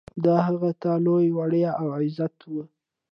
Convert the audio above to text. دا هغه ته لوی ویاړ او عزت و.